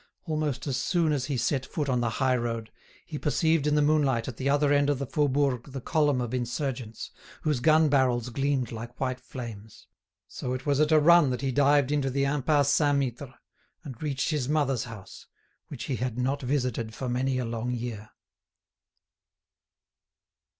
Almost as soon as he set foot on the high road, he perceived in the moonlight at the other end of the Faubourg the column of insurgents, whose gun barrels gleamed like white flames. So it was at a run that he dived into the Impasse Saint Mittre, and reached his mother's house, which he had not visited for many a long year.